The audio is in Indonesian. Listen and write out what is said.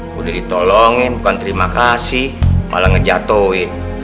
gua ditolongin bukan terima kasih malah ngejatohin